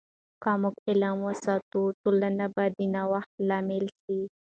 که موږ علم وساتو، ټولنه به د نوښت لامل سي.